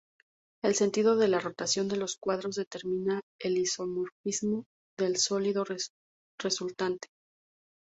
El sentido de la rotación de los cuadrados determina el isomorfismo del sólido resultante.